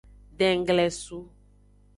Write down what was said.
Denglesu.